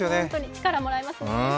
力、もらえますね。